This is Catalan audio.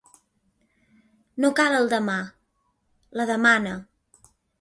No cal el demà: la demana.